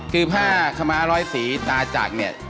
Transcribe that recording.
คือผ้าธรรมบาสหน้าล้อยสี่จากเนี้ย